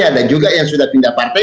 ada juga yang sudah pindah partai